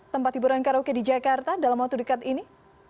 tempat hiburan karaoke di jakarta dalam waktu dekat ini